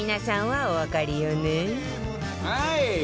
はい！